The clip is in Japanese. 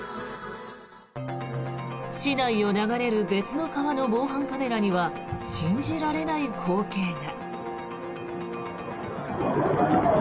市内を流れる別の川の防犯カメラには信じられない光景が。